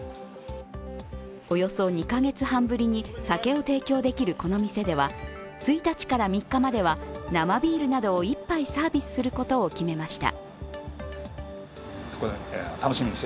およそ２カ月半ぶりに酒を提供できるこの店では１日から３日までは生ビールなどを１杯サービスすることを決めました。